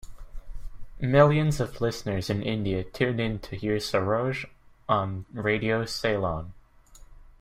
Millions of listeners in India tuned in to hear Saroj on Radio Ceylon.